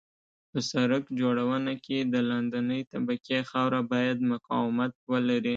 په سرک جوړونه کې د لاندنۍ طبقې خاوره باید مقاومت ولري